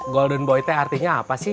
golden boy t artinya apa sih